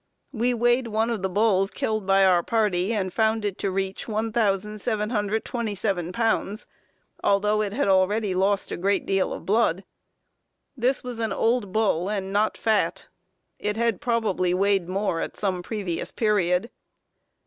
We weighed one of the bulls killed by our party, and found it to reach 1,727 pounds, although it had already lost a good deal of blood. This was an old bull, and not fat. It had probably weighed more at some previous period."